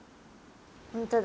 本当だ。